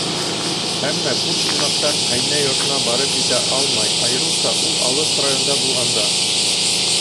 Әммә күп ҡунаҡтар ҡәйнә йортона барып етә алмай, айырыуса ул алыҫ районда булғанда.